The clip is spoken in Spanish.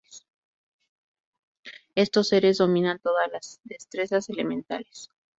Estos seres dominan todas las destrezas elementales.